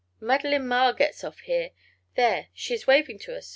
"Madeline Maher gets off here. There, she is waving to us!